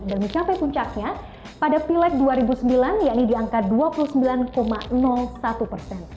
dan mencapai puncaknya pada pileg dua ribu sembilan yakni di angka dua puluh sembilan satu persen